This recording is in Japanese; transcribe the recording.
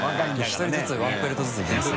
１人ずつワンプレートずついきます。